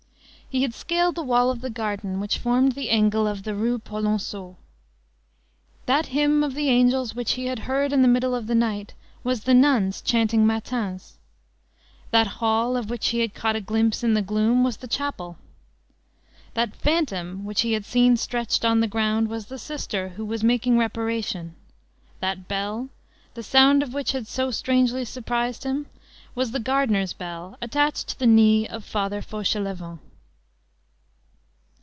He had scaled the wall of the garden which formed the angle of the Rue Polonceau. That hymn of the angels which he had heard in the middle of the night, was the nuns chanting matins; that hall, of which he had caught a glimpse in the gloom, was the chapel. That phantom which he had seen stretched on the ground was the sister who was making reparation; that bell, the sound of which had so strangely surprised him, was the gardener's bell attached to the knee of Father Fauchelevent.